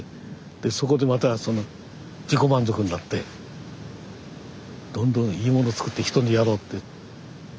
でそこでまた自己満足になってどんどんいいもの作って人にやろうって。